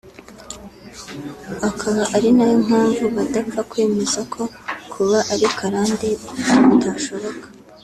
akaba ari na yo mpamvu badapfa kwemeza ko kuba ari karande bitashoboka